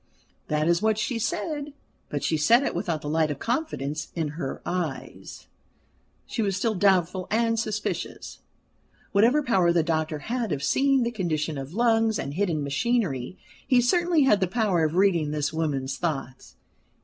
That is what she said; but she said it without the light of confidence in her eyes she was still doubtful and suspicious. Whatever power the doctor had of seeing the condition of lungs and hidden machinery, he certainly had the power of reading this woman's thoughts.